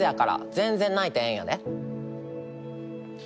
全然泣いてええんやで。